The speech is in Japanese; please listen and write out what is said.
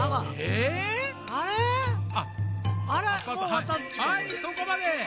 はいそこまで。